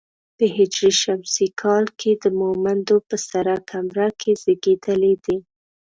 په هـ ش کال د مومندو په سره کمره کې زېږېدلی دی.